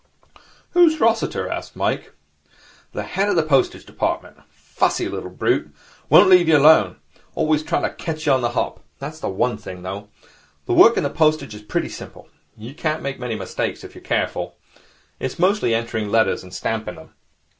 'Who's Rossiter?' asked Mike. 'The head of the postage department. Fussy little brute. Won't leave you alone. Always trying to catch you on the hop. There's one thing, though. The work in the postage is pretty simple. You can't make many mistakes, if you're careful. It's mostly entering letters and stamping them.'